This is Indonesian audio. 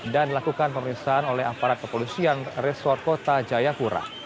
dan dilakukan pemerintahan oleh aparat kepolisian resort kota jayapura